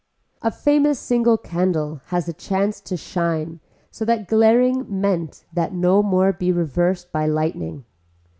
A famous single candle has a chance to shine so that glaring meant that no more would be reversed by lightning.